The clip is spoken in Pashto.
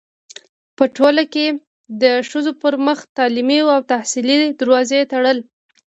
پـه ټـولـه کـې د ښـځـو پـر مـخ تـعلـيمي او تحصـيلي دروازې تــړل.